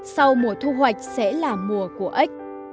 sau mùa thu hoạch sẽ là mùa của ếch